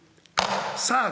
さあ